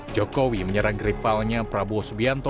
jokowi menyerang rivalnya prabowo subianto